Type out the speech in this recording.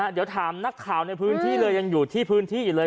เดี๋ยวถามนักข่าวในพื้นที่เลยยังอยู่ที่พื้นที่อยู่เลย